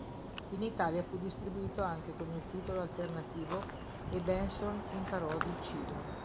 In Italia fu distribuito anche con il titolo alternativo "...e Benson imparò ad uccidere".